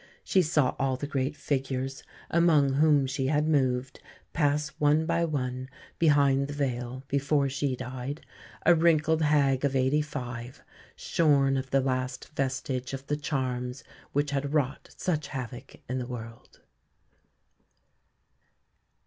She saw all the great figures, among whom she had moved, pass one by one behind the veil before she died, a wrinkled hag of eighty five, shorn of the last vestige of the charms which had wrought such havoc in the world.